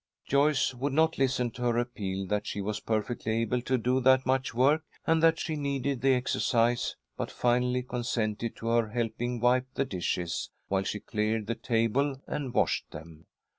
Joyce would not listen to her appeal that she was perfectly able to do that much work, and that she needed the exercise, but finally consented to her helping wipe the dishes, while she cleared the table and washed them.